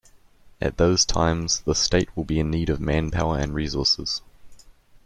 At those times, the State will be in need of man-power and resources.